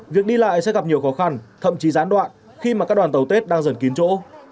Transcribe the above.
việc đi lại sẽ gặp nhiều khó khăn thậm chí gián đoạn khi mà các đoàn tàu tết đang dần kín chỗ